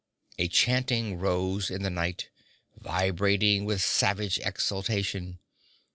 A chanting rose to the night, vibrating with savage exultation.